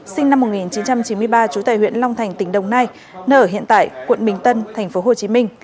sinh năm một nghìn chín trăm chín mươi ba trú tại huyện long thành tỉnh đồng nai nơi ở hiện tại quận bình tân tp hcm